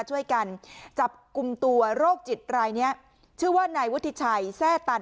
ช่วยกันจับกลุ่มตัวโรคจิตรายนี้ชื่อว่านายวุฒิชัยแทร่ตัน